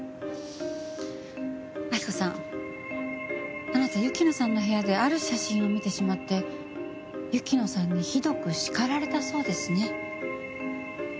亜希子さんあなた雪乃さんの部屋である写真を見てしまって雪乃さんにひどく叱られたそうですね。